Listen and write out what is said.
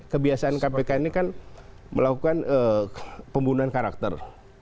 kebiasaan kpk ini kan melakukan pembunuhan karakter